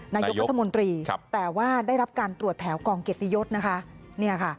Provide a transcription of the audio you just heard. นายกรัฐมนตรีแต่ว่าได้รับการตรวจแถวกองเกียรติยศนะคะเนี่ยค่ะ